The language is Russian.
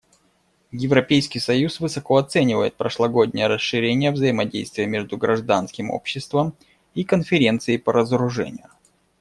Европейский союз высоко оценивает прошлогоднее расширение взаимодействия между гражданским обществом и Конференцией по разоружению.